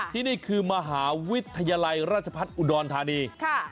ที่นี่คือมหาวิทยาลัยราชพัฒน์อุดรธานี